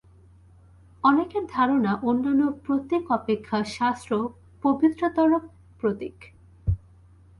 অনেকের ধারণা অন্যান্য প্রতীক অপেক্ষা শাস্ত্র পবিত্রতর প্রতীক।